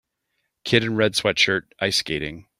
Kid in red sweatshirt ice skating